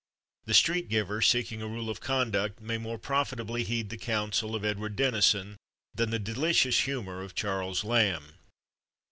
The street giver, seeking a rule of conduct, may more profitably heed the counsel of Edward Denison than the delicious humor of Charles Lamb.